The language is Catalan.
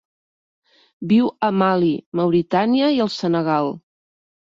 Viu a Mali, Mauritània i el Senegal.